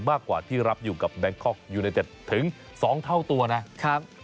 มากกว่าที่รับอยู่กับแบงคอกยูเนเต็ดถึง๒เท่าตัวนะครับ